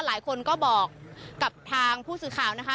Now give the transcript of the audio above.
หลายคนก็บอกกับทางผู้สื่อข่าวนะคะ